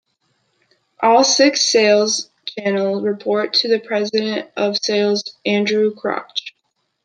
All six sales channels report to the president of sales Andrew Crouch.